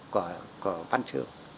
của văn trường